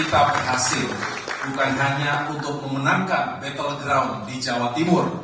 kami berhasil bukan hanya untuk memenangkan battle ground di jawa timur